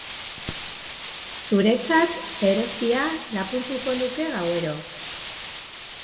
zuretzat, eroskia, lapurtuko nuke gauero